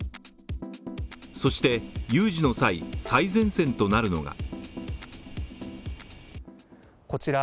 そして、有事の際、最前線となるのがこちら